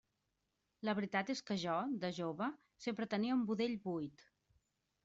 La veritat és que jo, de jove, sempre tenia un budell buit.